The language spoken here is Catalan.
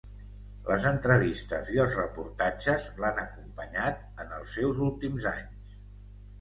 Les entrevistes i els reportatges l'han acompanyat en els seus últims anys.